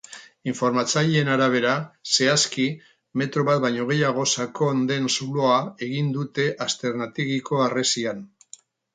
Informatzaileen arabera, zehazki, metro bat baino gehiago sakon den zuloa egin dute aztarnategiko harresian.